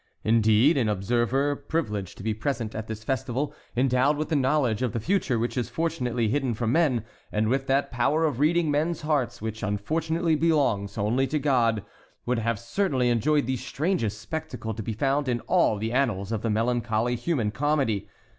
Indeed, an observer privileged to be present at this festival, endowed with the knowledge of the future which is fortunately hidden from men, and with that power of reading men's hearts which unfortunately belongs only to God, would have certainly enjoyed the strangest spectacle to be found in all the annals of the melancholy human comedy.